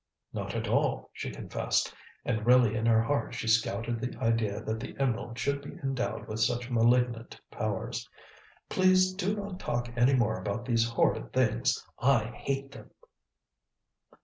"Not at all," she confessed, and really in her heart she scouted the idea that the emerald should be endowed with such malignant powers. "Please do not talk any more about these horrid things. I hate them!"